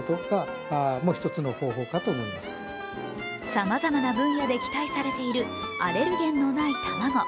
さまざまな分野で期待されているアレルゲンのない卵。